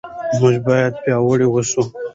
موږ باید پیاوړي اوسو.